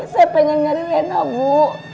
saya pengen ngeri renna bu